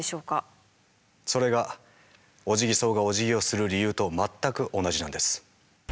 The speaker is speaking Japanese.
それがオジギソウがおじぎをする理由と全く同じなんです。